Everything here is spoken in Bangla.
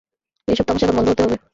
এই সব তামাশা এখন বন্ধ হতে হবে।